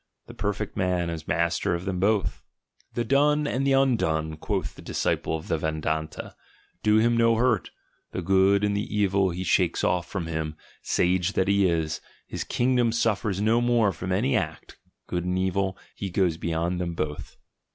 The perfect man is master of them both." "The done and the undone," quoth the disciple of the 1 42 THE GENEALOGY OF MORALS Vedanta, "do him no hurt; the good and the evil he shakes from off him, sage that he is; his kingdom suffers no more from any act; good and evil, he goes beyond them both."